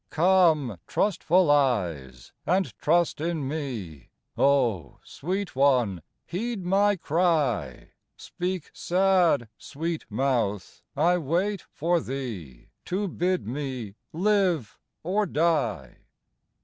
Come, trustful eyes, and trust in me, O sweet one, heed my cry; Speak sad, sweet mouth, I wait for thee To bid me live or die.